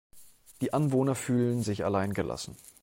Die Anwohner fühlen sich allein gelassen.